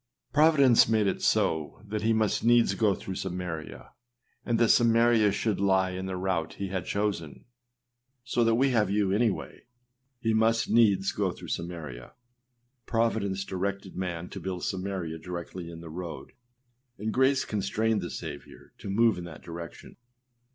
Providence made it so that he must needs go through Samaria, and that Samaria should like in the route he had chosen. So that we have you any way. âHe must needs go through Samaria.â Providence directed man to build Samaria directly in the road, and grace constrained the Saviour to move in that direction.